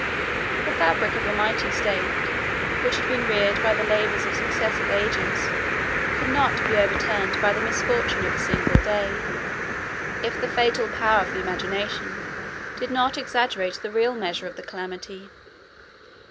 The fabric of a mighty state, which has been reared by the labors of successive ages, could not be overturned by the misfortune of a single day, if the fatal power of the imagination did not exaggerate the real measure of the calamity.